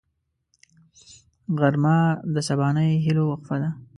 غرمه د سبانۍ هيلو وقفه ده